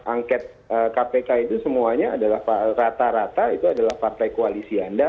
angket kpk itu semuanya adalah rata rata itu adalah partai koalisi anda